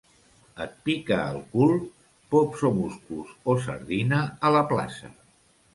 Et pica el cul? Pops o musclos o sardina a la plaça.